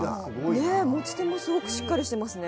持ち手もすごくしっかりしていますね。